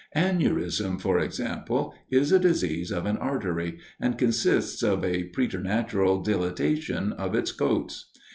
Aneurism, for example, is a disease of an artery, and consists of a preternatural dilatation of its coats.